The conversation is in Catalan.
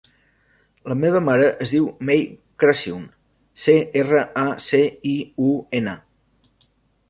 La meva mare es diu Mei Craciun: ce, erra, a, ce, i, u, ena.